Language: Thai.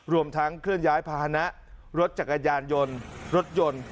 รวมทั้งเคลื่อนย้ายภาษณะรถจักรยานยนต์รถยนต์